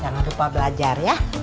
jangan lupa belajar ya